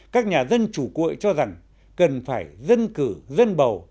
các nhà dân chủ cuội cho rằng cần phải dân cử dân bầu